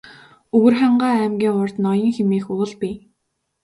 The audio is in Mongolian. Өвөрхангай аймгийн урд Ноён хэмээх уул бий.